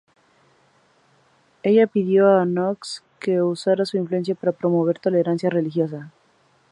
Ella le pidió a Knox que usara su influencia para promover la tolerancia religiosa.